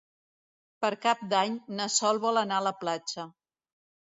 Per Cap d'Any na Sol vol anar a la platja.